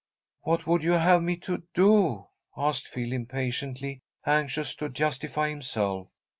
"What would you have me to do?" asked Phil, impatiently, anxious to justify himself.